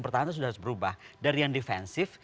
pertahanan sudah harus berubah dari yang defensif